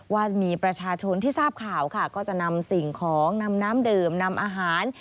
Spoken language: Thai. ว่ามีประชาชนที่ทราบข่าวค่ะก็จะนำสิ่งของนำน้ำดื่มนำอาหาร